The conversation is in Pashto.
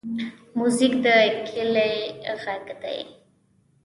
موزیک د کلي غږ دی.